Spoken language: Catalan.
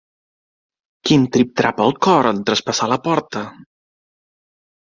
Quin trip-trap al cor en traspassar la porta!